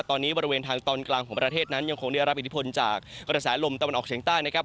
ตอนนี้บริเวณทางตอนกลางของประเทศนั้นยังคงได้รับอิทธิพลจากกระแสลมตะวันออกเฉียงใต้นะครับ